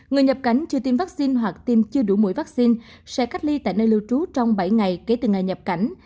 người nhập cảnh chưa tiêm vaccine hoặc tiêm chưa đủ mũi vaccine sẽ cách ly tại nơi lưu trú trong bảy ngày kể từ ngày nhập cảnh